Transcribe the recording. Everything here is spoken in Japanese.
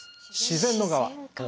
自然の側。